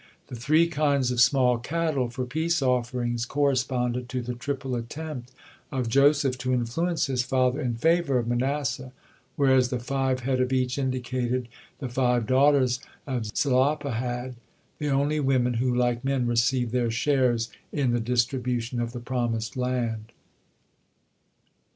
The three kinds of small cattle for peace offerings corresponded to the triple attempt of Joseph to influence his father in favor of Manasseh, whereas the five head of each indicated the five daughters of Zelophehad, the only women who, like men, received their shares in the distribution of the promised land.